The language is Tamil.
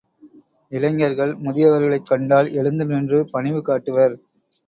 இளைஞர்கள் முதியவர்களைக் கண்டால் எழுந்து நின்று பணிவு காட்டுவர்.